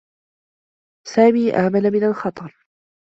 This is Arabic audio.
سامي آمن من الخطر.